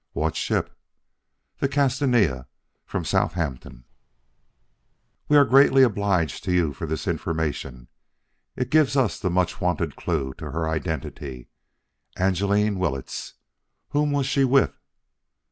"What ship?" "The Castania, from Southampton." "We are greatly obliged to you for this information. It gives us the much wanted clue to her identity. Angeline Willetts! Whom was she with?"